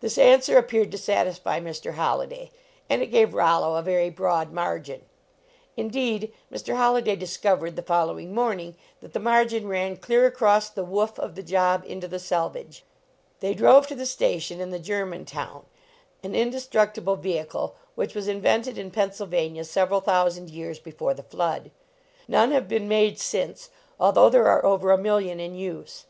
This answer appeared to satisfy Mr. Holli day, and it gave Rollo a very broad margin. Indeed, Mr. Holliday discovered, the follow ing morning, that the margin ran clear across the woof of the job into the selvedge. They drove to the station in the German town, an indestructible vehicle which was in vented in Pennsylvania several thousand years before the flood. None have been made since, although there are over a million in use.